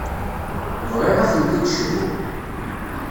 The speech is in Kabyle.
Bɣiɣ ad tent-id-cbuɣ.